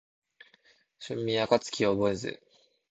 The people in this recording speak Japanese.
春眠暁を覚えず